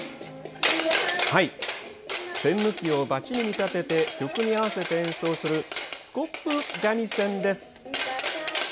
栓抜きをばちに見立てて曲に合わせて演奏するスコップ三味線です。